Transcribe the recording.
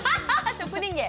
職人芸。